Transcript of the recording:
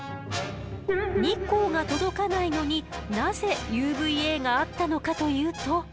日光が届かないのになぜＵＶーＡがあったのかというと。